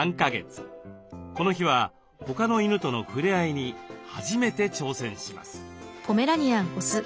この日は他の犬との触れ合いに初めて挑戦します。